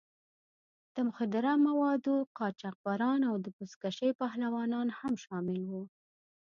د مخدره موادو قاچاقبران او د بزکشۍ پهلوانان هم شامل وو.